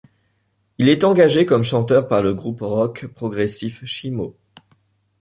Il est engagé comme chanteur par le groupe rock progressif Chimo!